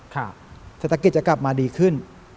เศรษฐกิจจะกลับมาดีขึ้น